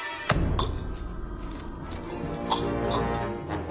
あっ！！